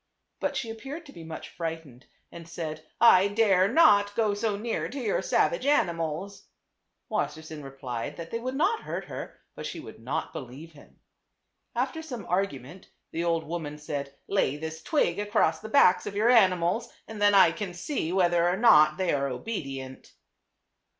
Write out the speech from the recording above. But she appeared to be much frightened, and said, " 1 dare not go so near to your savage animals." Wassersein replied that they would not hurt her; but she would not believe him. After some argument the old woman said, "Lay this twig across the backs of your ani mals and then I can see whether or not they are obedient."